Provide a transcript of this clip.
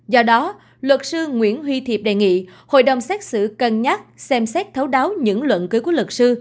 do đó luật sư nguyễn huy thiệp đề nghị hội đồng xét xử cân nhắc xem xét thấu đáo những luận cứ của luật sư